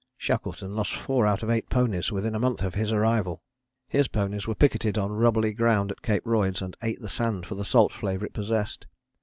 Shackleton lost four out of eight ponies within a month of his arrival. His ponies were picketed on rubbly ground at Cape Royds, and ate the sand for the salt flavour it possessed.